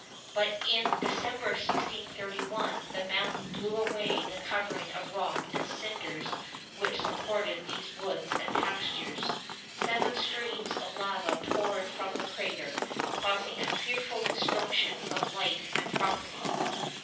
But in December, 1631, the mountain blew away the covering of rock and cinders which supported these woods and pastures. Seven streams of lava poured from the crater, causing a fearful destruction of life and property.